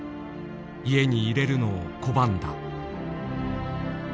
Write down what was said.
家に入れるのを拒んだ。